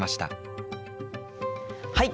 はい。